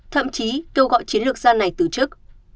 thậm chí kêu gọi chiến lược gia này từ chức